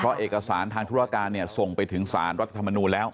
เพราะเอกสารทางธุรการเนี่ยส่งไปถึงสารรัฐธรรมนูลแล้ว